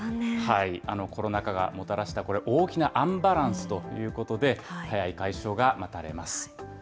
コロナ禍がもたらした、これ、大きなアンバランスということで、早い解消が待たれます。